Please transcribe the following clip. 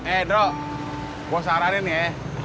eh drok gua saranin ya